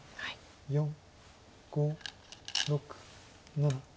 ４５６７。